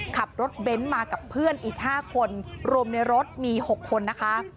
ขับรถเบนท์มากับเพื่อนอีก๕คนรวมในรถมี๖คนนะคะ